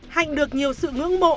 hạnh được nhiều sự ngưỡng mộ